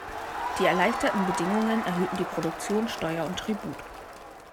Die erleichterten Bedingungen erhöhten die Produktion, Steuer und Tribut.